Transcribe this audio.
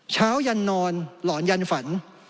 เช้ายันนอนหล่อนยันฝัน